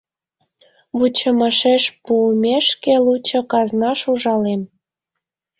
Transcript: Вучымашеш пуымешке, лучо казнаш ужалем.